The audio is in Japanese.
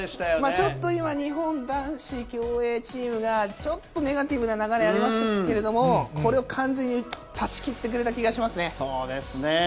ちょっと今、日本男子競泳チームが、ちょっとネガティブな流れ、ありましたけど、これを完全に断そうですね。